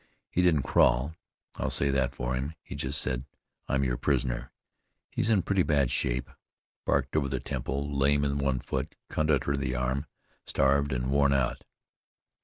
He didn't crawl; I'll say that for him. He just said, 'I'm your prisoner.' He's in pretty bad shape; barked over the temple, lame in one foot, cut under the arm, starved and worn out."